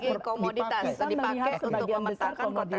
strategi komoditas yang dipakai untuk memetakkan konteks elektoral